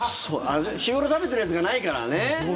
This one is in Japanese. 日頃食べてるやつがないからね。